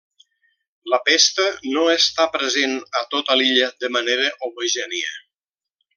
La pesta no està present a tota l'illa de manera homogènia.